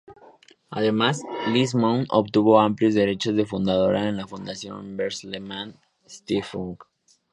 Además, Liz Mohn obtuvo amplios derechos de fundadora en la fundación Bertelsmann Stiftung.